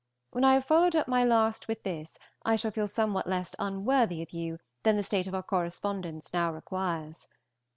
When I have followed up my last with this I shall feel somewhat less unworthy of you than the state of our correspondence now requires.